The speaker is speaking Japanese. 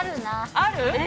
ある？